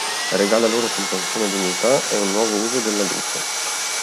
Regala loro comprensione e dignità e un nuovo uso della "luce".